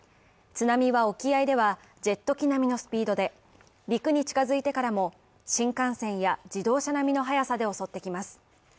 津波は沖合ではジェット機並みのスピードで陸に近づいてからも、新幹線や自動車並みの速さで襲ってきます。